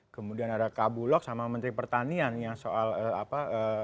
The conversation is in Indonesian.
kemudian ada kabulok sama menteri pertanian yang soal apa